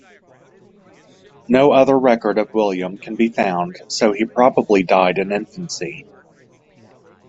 No other record of William can be found so he probably died in infancy.